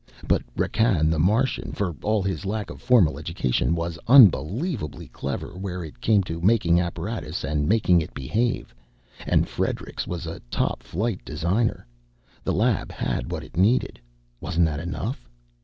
But Rakkan the Martian, for all his lack of formal education, was unbelievably clever where it came to making apparatus and making it behave, and Friedrichs was a top flight designer. The lab had what it needed wasn't that enough?